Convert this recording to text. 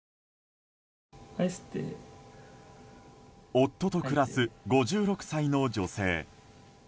夫と暮らす５６歳の女性。